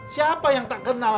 siapa yang tak kenal